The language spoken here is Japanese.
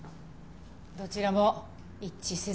どちらも一致せず。